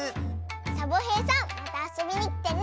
サボへいさんまたあそびにきてね！